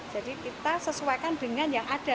jadi kita sesuaikan dengan yang ada